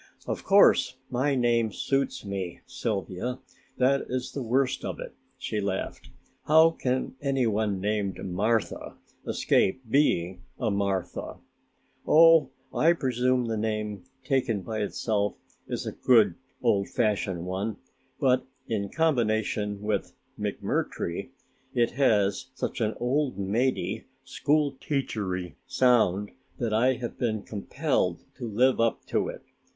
"Of course my name suits me, Sylvia, that is the worst of it," she laughed. "How can any one named Martha escape being a Martha? Oh, I presume the name taken by itself is a good old fashioned one, but in combination with McMurtry it has such an old maidy, school teachery sound that I have been compelled to live up to it.